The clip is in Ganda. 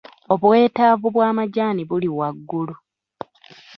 Obwetaavu bw'amajaani buli waggulu.